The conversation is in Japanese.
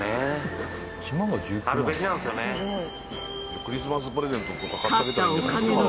クリスマスプレゼントとか買ってあげたらいいんじゃない。